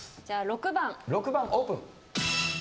６番オープン。